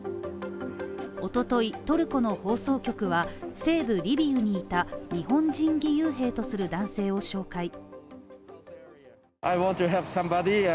おととい、トルコの放送局は西部リビウにいた、日本人義勇兵とする男性を紹介。